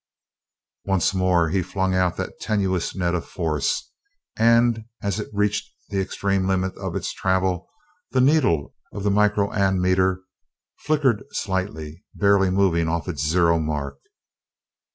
Once more he flung out that tenuous net of force, and as it reached the extreme limit of its travel, the needle of the micro ammeter flickered slightly, barely moving off its zero mark.